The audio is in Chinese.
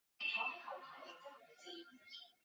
家里的童养媳